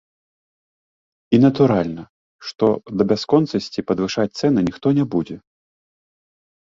І натуральна, што да бясконцасці падвышаць цэны ніхто не будзе.